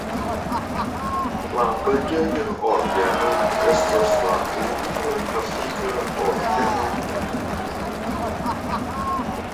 La preĝeja orgeno estas la ununura klasika orgeno en la urbo.